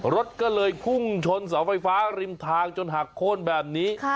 รถก็เลยพุ่งชนเสาไฟฟ้าริมทางจนหักโค้นแบบนี้